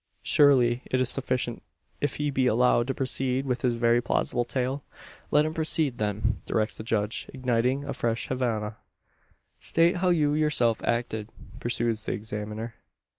Surely it is sufficient if he be allowed to proceed with his very plausible tale?" "Let him proceed, then," directs the judge, igniting a fresh Havannah. "State how you yourself acted," pursues the examiner.